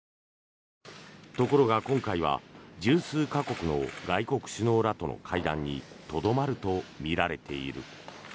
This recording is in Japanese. ところが今回は１０数か国の外国首脳らとの会談にとどまるとみられている。